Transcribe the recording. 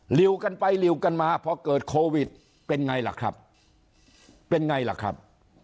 หิวกันไปหลิวกันมาพอเกิดโควิดเป็นไงล่ะครับเป็นไงล่ะครับ